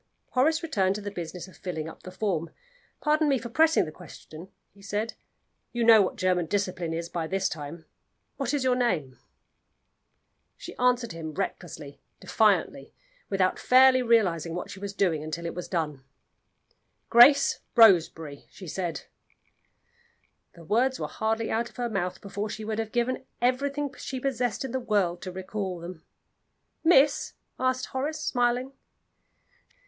Horace returned to the business of filling up the form. "Pardon me for pressing the question," he said. "You know what German discipline is by this time. What is your name?" She answered him recklessly, defiantly, without fairly realizing what she was doing until it was done. "Grace Roseberry," she said. The words were hardly out of her mouth before she would have given everything she possessed in the world to recall them. "Miss?" asked Horace, smiling.